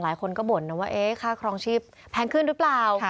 หลายคนก็บ่นนะว่าค่าครองชีพแพงขึ้นหรือเปล่า